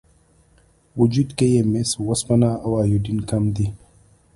وجود کې یې مس، وسپنه او ایودین کم دي.